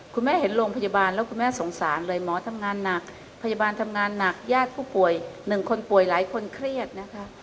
คุณแม่เห็นโรงพยาบาลแล้วคุณแม่สงสารเลยหมอทำงานหนักพยาบาลทำงานหนักญาติผู้ป่วยหนึ่งคนป่วยหลายคนเครียดนะคะ